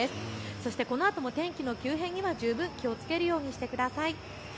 そしてこのあとも天気の急変には十分気をつけるようにしてください。